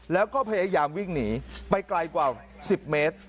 แล้วก็พยายามวิ่งหนีไปไกลกว่า๑๐เมตร